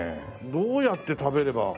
どうやって食べれば。